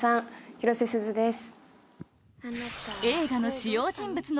広瀬すずです。